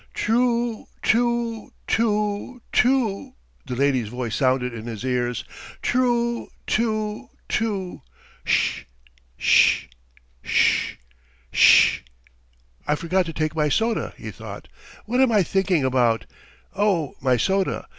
"Trooo too too too ..." the lady's voice sounded in his ears. "Troo too too ... sh sh sh sh ..." "I forgot to take my soda," he thought. "What am I thinking about? Oh my soda.